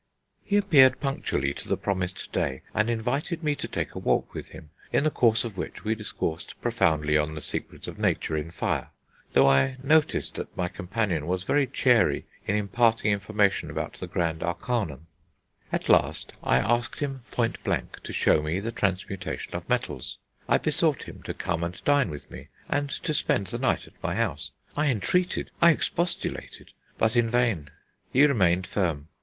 He appeared punctually to the promised day, and invited me to take a walk with him, in the course of which we discoursed profoundly on the secrets of Nature in fire, though I noticed that my companion was very chary in imparting information about the Grand Arcanum.... At last I asked him point blank to show me the transmutation of metals. I besought him to come and dine with me, and to spend the night at my house; I entreated; I expostulated; but in vain. He remained firm.